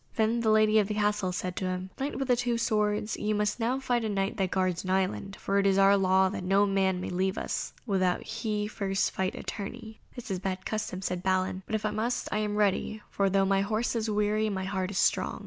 Then the lady of the castle said to him, "Knight with the two swords, you must now fight a Knight that guards an island, for it is our law that no man may leave us without he first fight a tourney." [Illustration: The Damsel Warns Sir Balin.] "That is a bad custom," said Balin, "but if I must I am ready; for though my horse is weary my heart is strong."